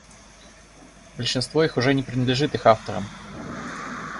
Большинство их уже не принадлежит их авторам.